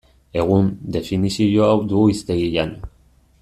Egun, definizio hau du hiztegian.